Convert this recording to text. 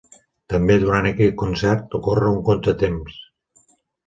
També durant aquest concert ocorre un contratemps.